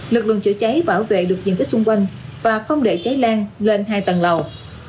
lực lượng chữa cháy bảo vệ được diện tích xung quanh và không để cháy lan lên hai tầng lầu